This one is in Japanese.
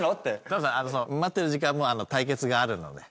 タモさん待ってる時間も対決があるので。